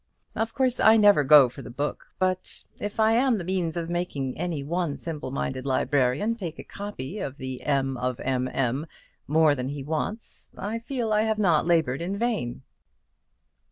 Of course I never go for the book; but if I am the means of making any one simple minded librarian take a copy of 'The M. of M. M.' more than he wants, I feel I have not laboured in vain."